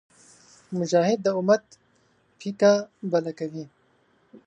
مجاهد د امت پیکه بله کوي.